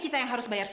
kita dapat hartanya